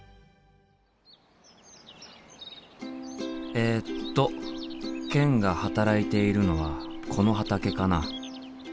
えっとケンが働いているのはこの畑かな？